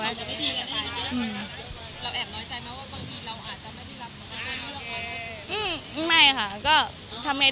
เราแอบน้อยใจไหมว่าบางทีเราอาจจะไม่ได้รับตรงนี้